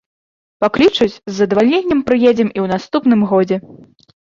Паклічуць, з задавальненнем прыедзем і ў наступным годзе.